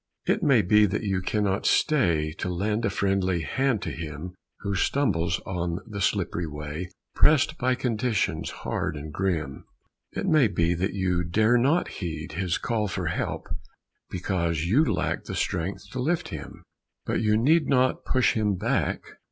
It may be that you cannot stay To lend a friendly hand to him Who stumbles on the slippery way, Pressed by conditions hard and grim; It may be that you dare not heed His call for help, because you lack The strength to lift him, but you need Not push him back.